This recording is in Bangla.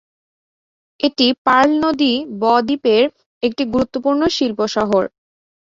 এটি পার্ল নদী ব-দ্বীপের একটি গুরুত্বপূর্ণ শিল্প শহর।